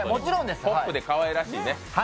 ポップでかわいらしいね。